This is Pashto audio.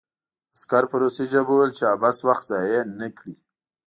عسکر په روسي ژبه وویل چې عبث وخت ضایع نه کړي